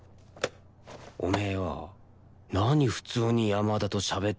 お前よ何普通に山田としゃべってんだよ？